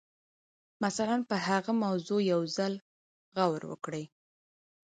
مثلاً پر هغه موضوع یو ځل غور وکړئ